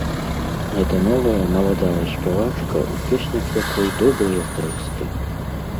Гэта новая, маладая спявачка, у песнях якой добрыя тэксты.